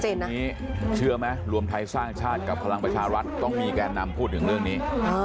ทีนี้เชื่อไหมรวมไทยสร้างชาติกับพลังประชารัฐต้องมีแกนนำพูดถึงเรื่องนี้